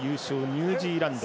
ニュージーランド。